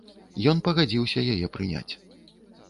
Ён пагадзіўся яе прыняць.